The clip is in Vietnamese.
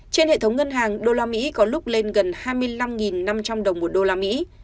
trên hệ thống ngân hàng usd có lúc lên gần hai mươi năm năm trăm linh đồng một usd